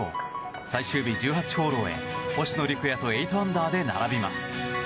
最終日、１８ホールを終え星野陸也と８アンダーで並びます。